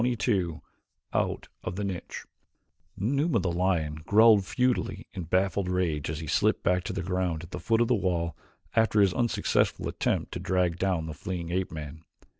Chapter XXII Out of the Niche Numa, the lion, growled futilely in baffled rage as he slipped back to the ground at the foot of the wall after his unsuccessful attempt to drag down the fleeing ape man.